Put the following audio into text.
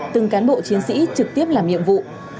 từng cán bộ chiến sĩ trực tiếp làm nhiệm vụ